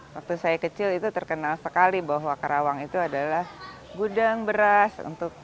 waktu saya kecil itu terkenal sekali bahwa karawang itu adalah gudang beras